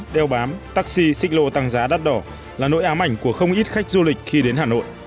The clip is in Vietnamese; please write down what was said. đeo bám taxi xích lô tăng giá đắt đỏ là nỗi ám ảnh của không ít khách du lịch khi đến hà nội